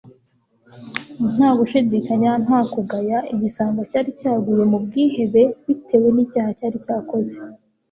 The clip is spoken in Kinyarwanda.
Nta gushidikanya, nta kugaya. Igisambo cyari cyaguye mu bwihebe butewe n'icyaha cyari cyakoze,